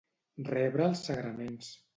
Rebre els sagraments.